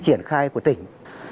triển khai của tỉnh